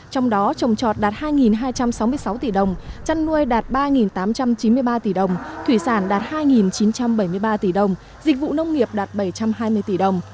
trong đó trồng trọt đạt hai hai trăm sáu mươi sáu tỷ đồng chăn nuôi đạt ba tám trăm chín mươi ba tỷ đồng thủy sản đạt hai chín trăm bảy mươi ba tỷ đồng dịch vụ nông nghiệp đạt bảy trăm hai mươi tỷ đồng